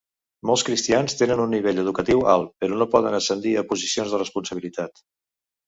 Molts cristians tenen un nivell educatiu alt, però no poden ascendir a posicions de responsabilitat.